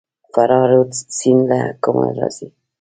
فراه رود سیند له کومه راځي؟